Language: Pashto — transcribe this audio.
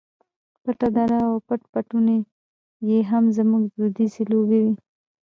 پټه دره او پټ پټونی یې هم زموږ دودیزې لوبې وې.